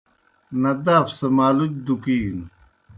نداف سہ مالُچ دُکِینوْ۔